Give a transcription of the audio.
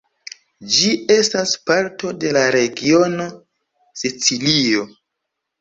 Ĝi estas parto de la regiono Sicilio.